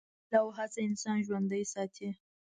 هیله او هڅه انسان ژوندی ساتي.